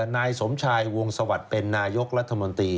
นายสมชายวงสวัสดิ์เป็นนายกรัฐมนตรี